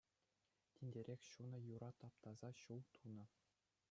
Тинтерех ҫунӑ юра таптаса ҫул тунӑ.